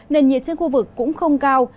nền nhiệt trên khu vực cũng không cao